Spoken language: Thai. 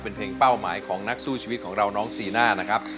เป็นเพลงเป้าหมายของนักสู้ชีวิตของเราน้องซีน่านะครับ